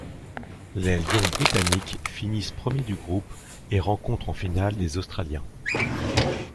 Les lions britanniques finissent premier du groupe et rencontrent en finale les australiens.